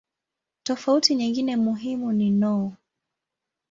Tofauti nyingine muhimu ni no.